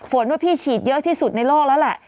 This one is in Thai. ว่าพี่ฉีดเยอะที่สุดในโลกแล้วแหละ